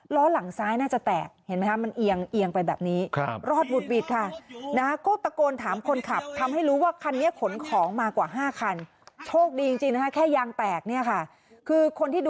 ล้อหลังซ้ายน่าจะแตกเห็นไหมคะมันเอียงเอียงไปแบบนี้